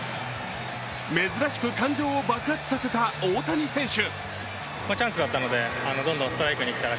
珍しく感情を爆発させた大谷選手。